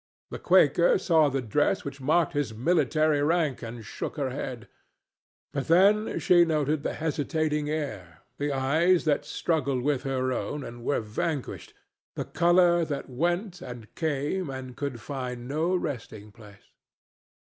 The Quaker saw the dress which marked his military rank, and shook her head; but then she noted the hesitating air, the eyes that struggled with her own and were vanquished, the color that went and came and could find no resting place.